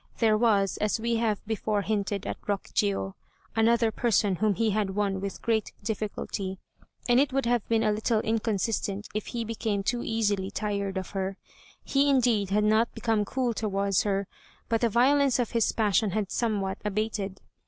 There was, as we have before hinted, at Rokjiô, another person whom he had won with great difficulty, and it would have been a little inconsistent if he became too easily tired of her. He indeed had not become cool towards her, but the violence of his passion had somewhat abated.